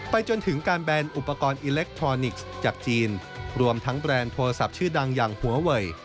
จนถึงการแบนอุปกรณ์อิเล็กทรอนิกส์จากจีนรวมทั้งแบรนด์โทรศัพท์ชื่อดังอย่างหัวเวย